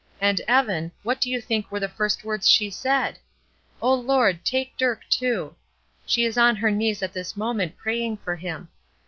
And Evan, what do you think were the first words she said? 'O Lord, take Dirk, too!' She is on her knees at this moment praying for him.